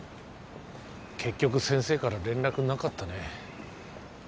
結局先生から連絡なかったね。